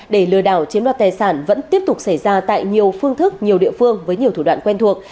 để lừa đảo chiếm đoạt tài sản vẫn tiếp tục xảy ra tại nhiều phương thức nhiều địa phương với nhiều thủ đoạn quen thuộc